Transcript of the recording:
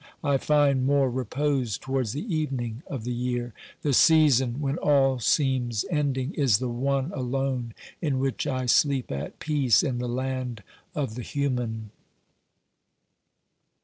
I find more repose towards the evening of the year; the season when all seems ending is the one alone in which I sleep at peace in the land of the human.